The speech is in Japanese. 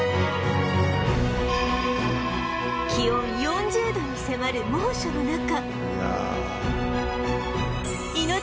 気温４０度に迫る猛暑の中